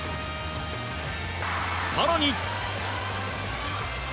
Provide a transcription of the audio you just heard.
更に。